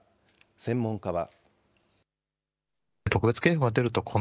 専門家は。